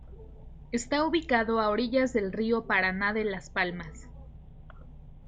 Está ubicado a orillas del río Paraná de las Palmas.